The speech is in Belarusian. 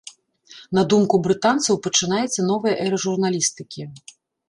На думку брытанцаў, пачынаецца новая эра журналістыкі.